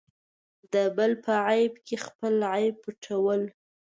د بل په عیب کې خپل عیب پټول.